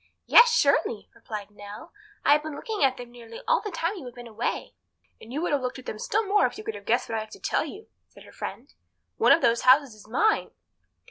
"Yes, surely," replied Nell. "I have been looking at them nearly all the time you have been away." "And you would have looked at them still more if you could have guessed what I have to tell you," said her friend. "One of those houses is mine."